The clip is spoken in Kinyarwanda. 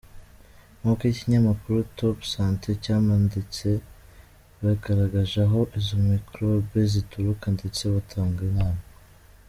Nk’uko ikinyamakuru topsanté cyambanditse, bagaragaje aho izo microbe zituruka ndetse batanga inama.